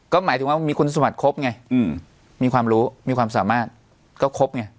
ก็หมายถึงว่ามีคุณสมัครครบไงมีความรู้มีความสามารถก็ครบไง